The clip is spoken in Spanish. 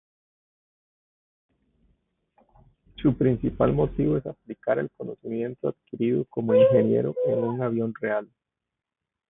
Su principal motivo es aplicar el conocimiento adquirido como ingeniero en un avión real.